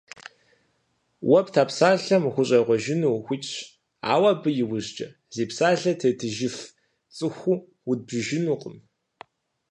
Уэ пта псалъэм ухущӀегъуэжыну ухуитщ, ауэ абы и ужькӀэ зи псалъэ тетыжыф цӀыхуу удбжыжынукъым.